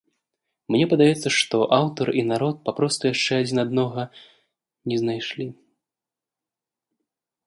Мне падаецца, што аўтар і народ папросту яшчэ адзін аднаго не знайшлі.